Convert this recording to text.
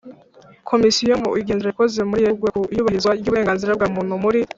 Komisiyo mu igenzura yakoze muri Werurwe ku iyubahirizwa ry uburenganzira bwa Muntu muri